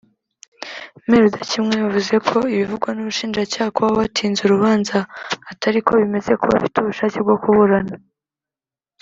Me Rudakemwa yavuze ko ibivugwa n’Ubushinjacyaha ko baba batinza urubanza atariko bimeze ko bafite ubushake bwo kuburana